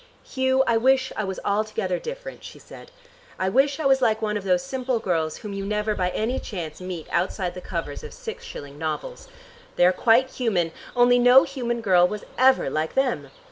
"Hugh, I wish I was altogether different," she said. "I wish I was like one of those simple girls whom you never by any chance meet outside the covers of six shilling novels. They are quite human, only no human girl was ever like them.